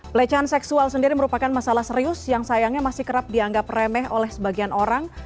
pelecehan seksual sendiri merupakan masalah serius yang sayangnya masih kerap dianggap remeh oleh sebagian orang